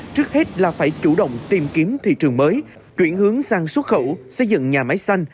trước hết là phải chủ động tìm kiếm thị trường mới chuyển hướng sang xuất khẩu xây dựng nhà máy xanh